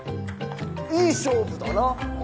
いい勝負だな！